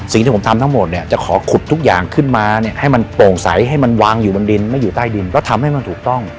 สิ่งที่ผมทำทั้งหมดเนี่ยจะขอขุดทุกอย่างขึ้นมาเนี่ยให้มันโปร่งใสให้มันวางอยู่บนดินไม่อยู่ใต้ดินก็ทำให้มันถูกต้อง